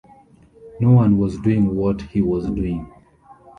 No one was doing what he was doing.